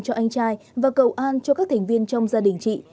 cho anh trai và cầu an cho các thành viên trong gia đình chị